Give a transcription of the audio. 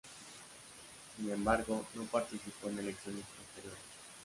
Sin embargo, no participó en elecciones posteriores.